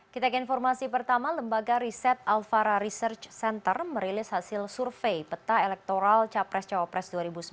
kita ke informasi pertama lembaga riset alfara research center merilis hasil survei peta elektoral capres cawapres dua ribu sembilan belas